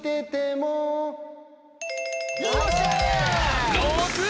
よっしゃ！